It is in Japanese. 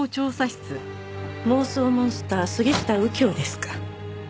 妄想モンスター杉下右京ですか。